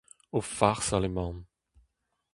O farsal emaon.